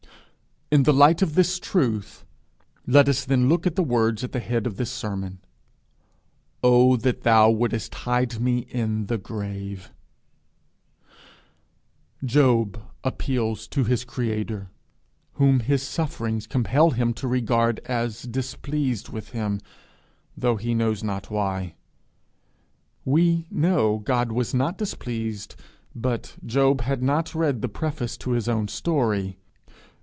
In the light of this truth, let us then look at the words at the head of this sermon: 'Oh that thou wouldest hide me in the grave!' Job appeals to his creator, whom his sufferings compel him to regard as displeased with him, though he knows not why. We know he was not displeased but Job had not read the preface to his own story.